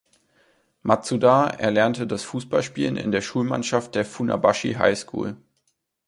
Matsuda erlernte das Fußballspielen in der Schulmannschaft der "Funabashi High School".